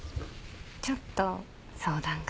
ちょっと相談が。